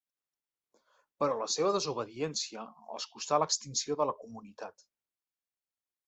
Però la seva desobediència els costà l'extinció de la comunitat.